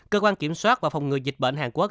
cơ quan kiểm soát và phòng ngừa dịch bệnh hàn quốc